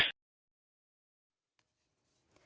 ครับ